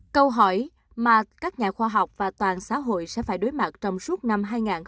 câu hỏi mà các nhà khoa học và toàn xã hội sẽ phải đối mặt trong suốt năm hai nghìn hai mươi